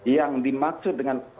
yang dimaksud dengan kegiatan